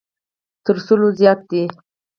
تر سلو زیات دی.